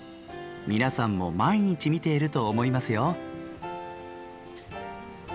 皆さんも毎日見ていると思いますよ。